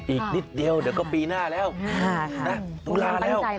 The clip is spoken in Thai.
อีกนิดเดียวเดี๋ยวก็ปีหน้าแล้วตุลาแล้ว